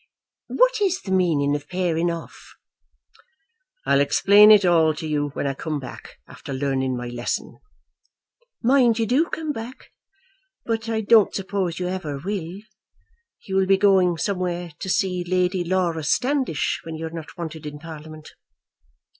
What is the meaning of pairing off?" "I'll explain it all to you when I come back, after learning my lesson." "Mind you do come back. But I don't suppose you ever will. You will be going somewhere to see Lady Laura Standish when you are not wanted in Parliament."